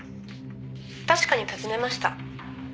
「確かに訪ねました」